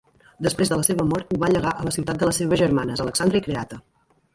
Després de la seva mort ho va llegar a la ciutat de les seves germanes Alexandra i Creata.